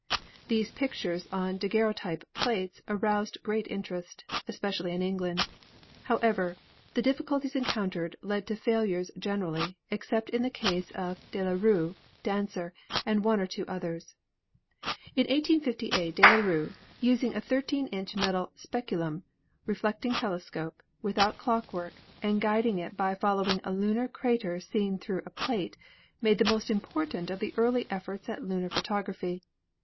These pictures on daguerreotype plates aroused great interest, especially in England. However, the diffi culties encountered led to failures generally,, except in the case of De la Rue, Dancer and one or two others. In 1858 De la Rue, using a 13 inch metal speculum reflect ing telescope, without clockwork, and guiding it by follow ing a lunar crater seen through a plate, made the most important of the early efforts at lunar photography."